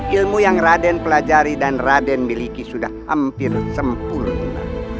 ilmu yang raden pelajari dan raden miliki sudah hampir sempurna